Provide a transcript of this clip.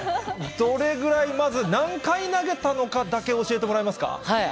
どれぐらい、まず何回投げたのかだけ教えてもらえますか。